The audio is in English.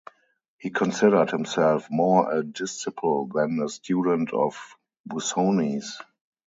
He considered himself more a disciple than a student of Busoni's.